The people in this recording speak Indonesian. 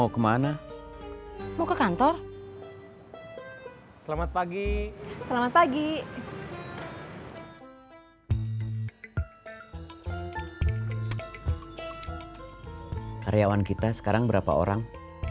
karyawan kita sekarang berapa orang